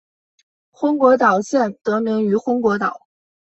昏果岛县得名于昏果岛。